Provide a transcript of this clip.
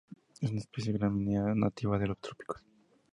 Es una especie gramínea nativa de los trópicos.